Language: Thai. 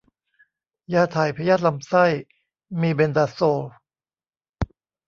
ยาถ่ายพยาธิลำไส้ มีเบนดาโซล